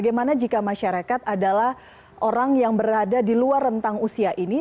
bagaimana jika masyarakat adalah orang yang berada di luar rentang usia ini